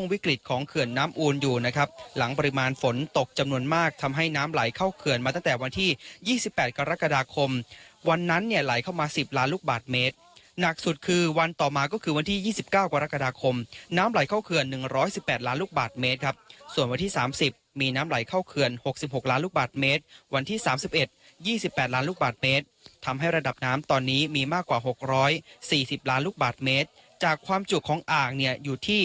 เพราะฉะนั้นเนี่ยไหลเข้ามา๑๐ล้านลูกบาทเมตรหนักสุดคือวันต่อมาก็คือวันที่๒๙กรกฎาคมน้ำไหลเข้าเขื่อน๑๑๘ล้านลูกบาทเมตรครับส่วนวันที่๓๐มีน้ำไหลเข้าเขื่อน๖๖ล้านลูกบาทเมตรวันที่๓๑๒๘ล้านลูกบาทเมตรทำให้ระดับน้ำตอนนี้มีมากกว่า๖๔๐ล้านลูกบาทเมตรจากความจุดของอ่างเนี่ยอยู่ที่